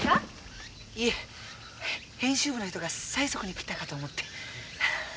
いえ編集部の人が催促に来たかと思って。